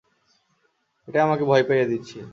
এটাই আমাকে ভয় পাইয়ে দিচ্ছে!